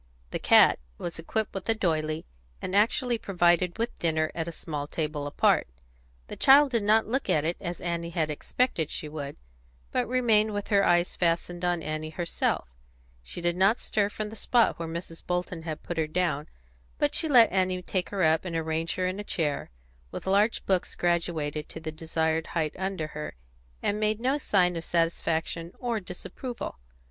The cat was equipped with a doily, and actually provided with dinner at a small table apart; the child did not look at it as Annie had expected she would, but remained with her eyes fastened on Annie herself: She did not stir from the spot where Mrs. Bolton had put her down, but she let Annie take her up and arrange her in a chair, with large books graduated to the desired height under her, and made no sign of satisfaction or disapproval.